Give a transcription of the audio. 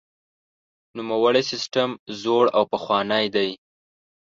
نوموړی سیستم زوړ او پخوانی دی.